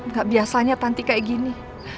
nggak biasanya tanti kayak gini